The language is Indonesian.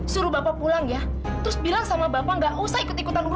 sampai jumpa di video selanjutnya